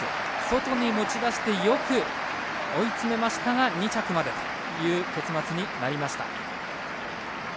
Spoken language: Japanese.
外に持ち出してよく追い詰めましたが２着までという結末になりました。